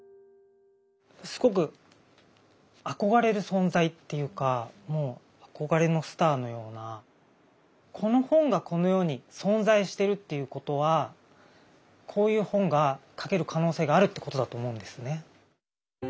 すごく憧れる存在っていうかもう憧れのスターのようなこの本がこの世に存在してるっていうことはこういう本が描ける可能性があるってことだと思うんですね。